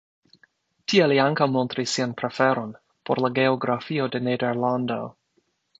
Tie li ankaŭ montris sian preferon por la geografio de Nederlando.